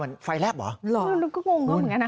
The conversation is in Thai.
แล้วก็งงเข้าเหมือนกันนะคะ